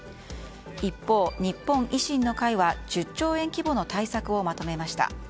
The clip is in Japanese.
一方、日本維新の会は１０兆円規模の対策をまとめました。